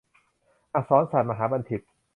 อักษรศาสตรมหาบัณฑิต